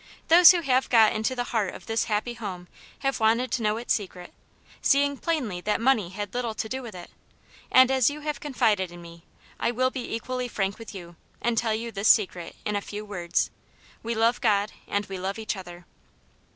" Those who have got into the heart of this happy home have wanted to know its secret, seeing plainly that money had little to do with it ; and as you have confided in me, I will be equally frank with you, and tell you this secret in a few words — we love God, and we love each other